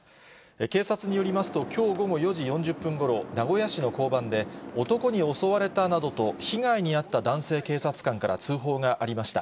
警察によりますと、きょう午後４時４０分ごろ、名古屋市の交番で、男に襲われたなどと、被害に遭った男性警察官から通報がありました。